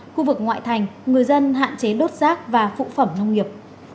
khu vực ngoại thành người dân hạn chế đốt rác và phụ phẩm nông nghiệp